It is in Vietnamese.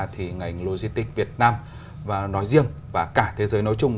thì ngành logistics việt nam và nói riêng và cả thế giới nói chung